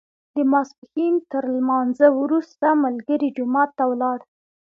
د ماسپښین تر لمانځه وروسته ملګري جومات ته ولاړل.